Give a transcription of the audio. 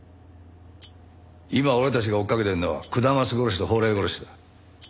今俺たちが追いかけてるのは下松殺しと宝来殺しだ。